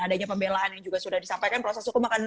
adanya pembelaan yang juga sudah disampaikan proses hukum akan